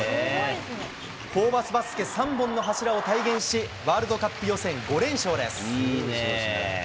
ホーバスバスケ３本の柱を体現し、ワールドカップ予選５連勝です。